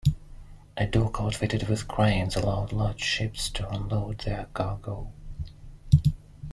A dock outfitted with cranes allowed large ships to unload their cargo.